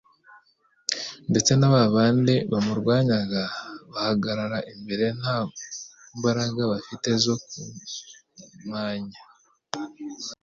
Ndetse na ba bandi bamurwanyaga bahagarara imbere nta mbaraga bafite zo ktmmwanya.